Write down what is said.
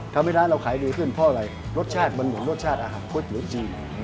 ทำให้ร้านเราขายดีขึ้นเพราะอะไรรสชาติมันเหมือนรสชาติอาหารคุดหรือจีน